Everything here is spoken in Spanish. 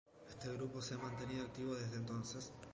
Este grupo se ha mantenido activo desde entonces.